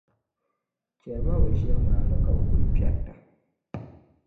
Chεliba bɛ ʒiri maa ni, ka bɛ kuli kpiɛrita.